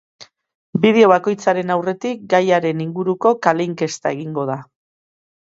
Bideo bakoitzaren aurretik gaiaren inguruko kale inkesta egingo da.